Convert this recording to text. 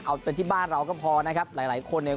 เอาเป็นที่บ้านเราก็พอนะครับหลายหลายคนเนี่ย